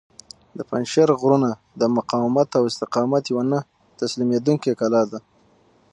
د پنجشېر غرونه د مقاومت او استقامت یوه نه تسلیمیدونکې کلا ده.